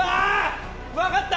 分かった！